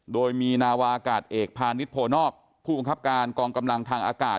โดยมีนาวากาศเอกพาณิชยโพนอกผู้บังคับการกองกำลังทางอากาศ